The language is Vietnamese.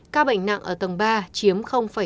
ca bệnh nặng ở tầng ba chiếm năm